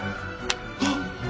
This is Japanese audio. あっ！